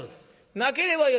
なければよい。